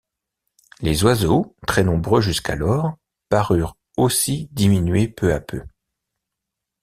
Les oiseaux, très nombreux jusqu’alors, parurent aussi diminuer peu à peu.